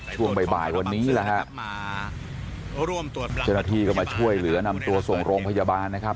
ช่วงบ่ายบ่ายวันนี้แหละฮะเจ้าหน้าที่ก็มาช่วยเหลือนำตัวส่งโรงพยาบาลนะครับ